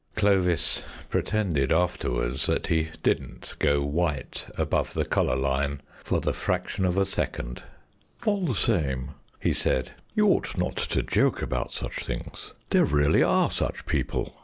Clovis pretended afterwards that he didn't go white above the collar line for the fraction of a second. "All the same," he said, "you ought not to joke about such things. There really are such people.